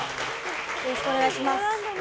よろしくお願いします。